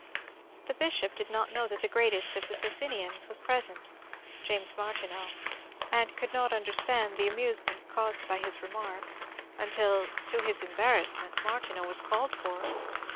The bishop did not know that the greatest of Socinians was present — James Martineau — and could not understand the amusement caused by his remark until, to his embarrassment, Martineau was called for.